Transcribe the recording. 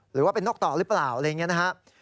หรือว่าเป็นนกต่อหรือเปล่าอะไรอย่างนี้นะครับ